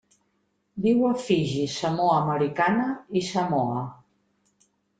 Viu a Fiji, Samoa Americana i Samoa.